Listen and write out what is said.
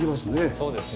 そうですね。